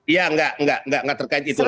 ya enggak enggak enggak terkait itulah